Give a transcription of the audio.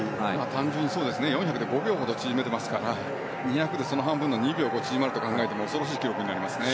単純に４００で５秒ほど縮めてますから２００でその半分縮めると考えても恐ろしい記録になりますよね。